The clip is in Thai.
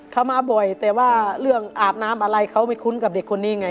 เขามาบ่อยแต่ว่าเรื่องอาบน้ำอะไรเขาไม่คุ้นกับเด็กคนนี้ไง